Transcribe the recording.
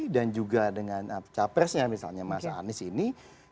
dan juga dengan cawapresnya misalnya mas anies ini